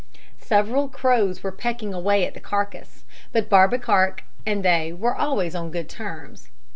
Several crows were pecking away at the carcass, but Barbekark and they were always on good terms.